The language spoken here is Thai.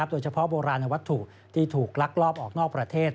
โบราณวัตถุที่ถูกลักลอบออกนอกประเทศ